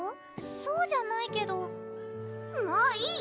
そうじゃないけどもういい！